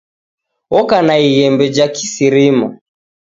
Oka na ighembe ja kisirima.